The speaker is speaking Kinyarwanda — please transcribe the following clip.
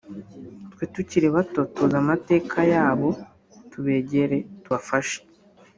twe tukiri bato tuzi amateka yabo tubegere tubafashe